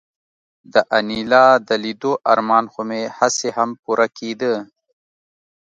د انیلا د لیدو ارمان خو مې هسې هم پوره کېده